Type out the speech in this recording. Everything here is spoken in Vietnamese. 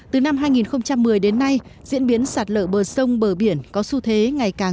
từ năm hai nghìn một mươi đến nay diễn biến sạt lở bờ sông bờ biển có xu thế ngày càng